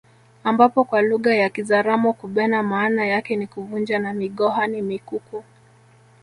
Ambapo kwa lugha ya kizaramo kubena maana yake ni kuvunja na migoha ni mikuku